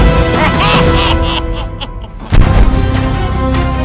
aku harus membantu